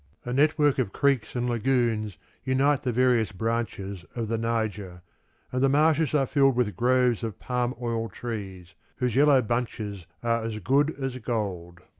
A network of creeks and lagoons unite the various branches of the Niger, and the marshes are filled with groves of palm oil trees, whose yellow bunches are as good as gold.